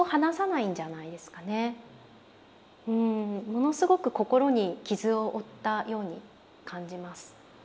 ものすごく心に傷を負ったように感じます。